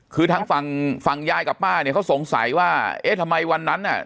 คือทางฝั่งฝั่งยายกับป้าเนี่ยเขาสงสัยว่าเอ๊ะทำไมวันนั้นน่ะ